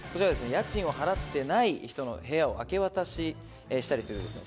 家賃を払っていない人の部屋を明け渡したりするですね